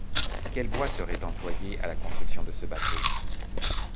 Quel bois serait employé à la construction de ce bateau?